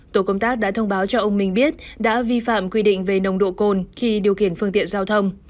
tổ công tác đã thông báo cho ông minh biết đã vi phạm quy định về nồng độ cồn khi điều khiển phương tiện giao thông